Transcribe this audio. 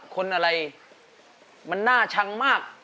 คนอะไรมันน่าชังมาก